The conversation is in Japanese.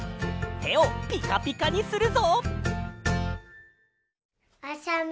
てをピカピカにするぞ！